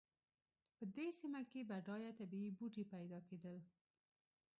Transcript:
په دې سیمه کې بډایه طبیعي بوټي پیدا کېدل.